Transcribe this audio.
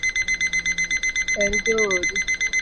Her joodi